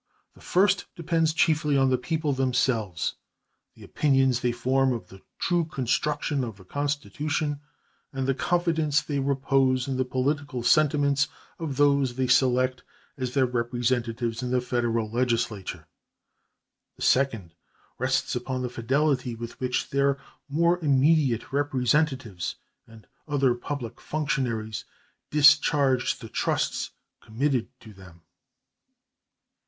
The first depends chiefly on the people themselves the opinions they form of the true construction of the Constitution and the confidence they repose in the political sentiments of those they select as their representatives in the Federal Legislature; the second rests upon the fidelity with which their more immediate representatives and other public functionaries discharge the trusts committed to them.